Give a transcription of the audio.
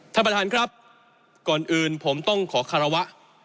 ท่านประธานครับก่อนอื่นผมต้องขอคารวะ